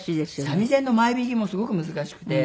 三味線の前弾きもすごく難しくて。